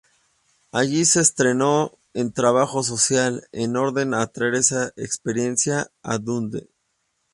Allí se entrenó en trabajo social, en orden a traer esa experiencia a Dundee.